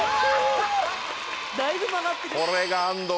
だいぶ曲がってる。